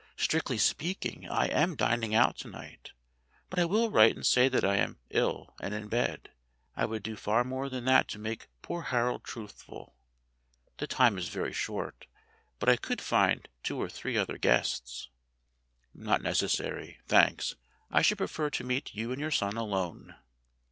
Strictly speaking, I am dining out to night, but I will write and say that I am ill and in bed I would do far more than that to make poor Harold truthful. The time is very short, but I could find two or three other guests " 54 STORIES WITHOUT TEARS "Not necessary, thanks. I should prefer to meet you and your son alone."